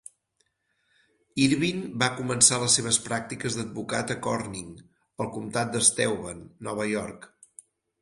Irvine va començar les seves pràctiques d'advocat a Corning, al comtat de Steuben, Nova York.